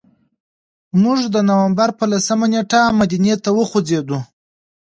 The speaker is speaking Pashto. موږ د نوامبر په لسمه نېټه مدینې ته وخوځېدو.